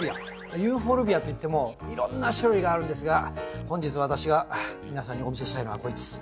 ユーフォルビアっていってもいろんな種類があるんですが本日私が皆さんにお見せしたいのはこいつ。